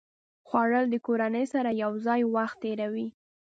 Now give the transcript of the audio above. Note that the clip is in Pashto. خوړل د کورنۍ سره یو ځای وخت تېروي